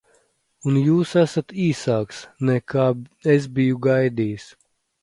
Un jūs esat īsāks, nekā es biju gaidījis.